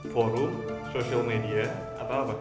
forum social media atau apa